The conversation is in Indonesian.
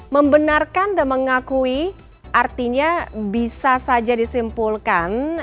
membenarkan dan mengakui artinya bisa saja disimpulkan